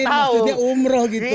mungkin maksudnya umroh gitu